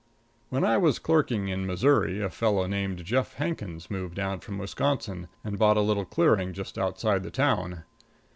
_"] When I was clerking in Missouri, a fellow named Jeff Hankins moved down from Wisconsin and bought a little clearing just outside the town.